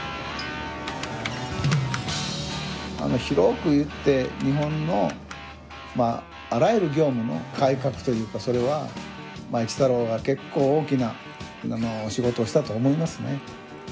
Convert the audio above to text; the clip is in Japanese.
広く言って日本のあらゆる業務の改革というかそれは「一太郎」が結構大きな仕事をしたと思いますね。